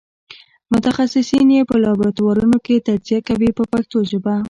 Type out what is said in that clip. متخصصین یې په لابراتوارونو کې تجزیه کوي په پښتو ژبه.